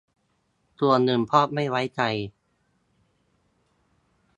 ส่วนหนึ่งเพราะไม่ไว้ใจ